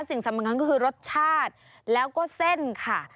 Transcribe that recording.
สิ่งสำคัญก็คือรสชาติแล้วก็เส้นค่ะ